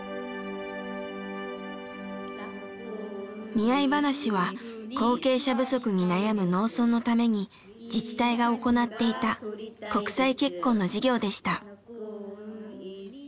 見合い話は後継者不足に悩む農村のために自治体が行っていた国際結婚の事業でした。